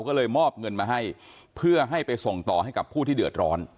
ก็เลยมอบเงินมาให้เพื่อให้ไปส่งต่อให้กับผู้ที่เดือดร้อน